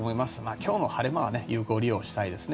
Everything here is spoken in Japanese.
今日の晴れ間は有効利用したいですね。